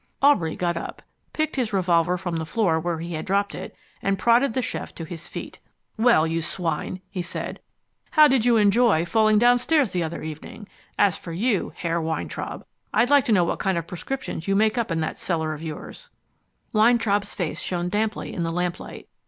Aubrey got up, picked his revolver from the floor where he had dropped it, and prodded the chef to his feet. "Well, you swine," he said, "how did you enjoy falling downstairs the other evening? As for you, Herr Weintraub, I'd like to know what kind of prescriptions you make up in that cellar of yours." Weintraub's face shone damply in the lamplight.